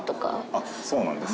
あっそうなんですね。